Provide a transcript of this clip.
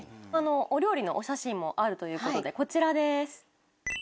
お料理のお写真もあるということでこちらです。